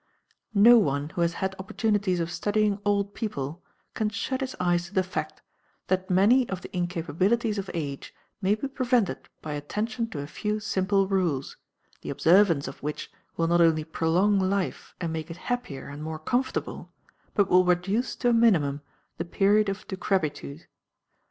No one who has had opportunities of studying old people can shut his eyes to the fact that many of the incapabilities of age may be prevented by attention to a few simple rules, the observance of which will not only prolong life and make it happier and more comfortable, but will reduce to a minimum the period of decrepitude.